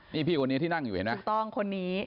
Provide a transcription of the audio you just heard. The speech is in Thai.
นี่พี่คนนี้ที่นั่งอยู่เห็นไหมถูกต้องคนนี้